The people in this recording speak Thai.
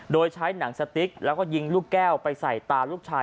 โดยใช้หนังสติ๊กแล้วก็ยิงลูกแก้วไปใส่ตาลูกชาย